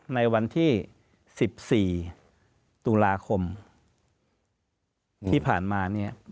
ในวันที่๑๔ตุลาคมที่ผ่านมาเนี่ย